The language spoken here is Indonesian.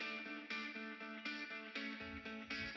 dapat jersi yang baru pak